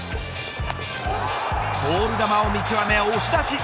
ボール球を見極め押し出し。